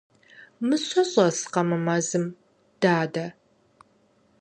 Мыщэ щӀэскъэ мы мэзым, дадэ?